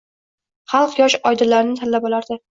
Xalq yosh oydinlarni tanib olardi.